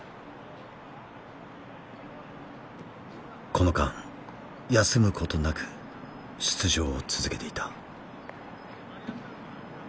この間休むことなく出場を続けていた。